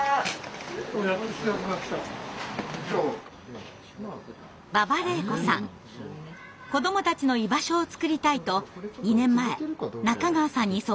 子どもたちの居場所を作りたいと２年前中川さんに相談しました。